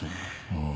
うん。